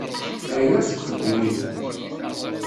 Ɛyiɣ seg uxeddim-inu.